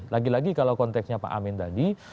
lagi lagi kalau konteksnya pak amin tadi